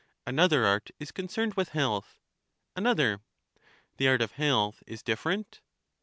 Another art is concerned with health. Another. The art of health is different.